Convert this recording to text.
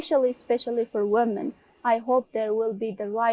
saya berharap mereka akan memiliki hak untuk bekerja